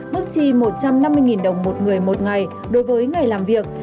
mức chi một trăm năm mươi đồng một người một ngày đối với ngày làm việc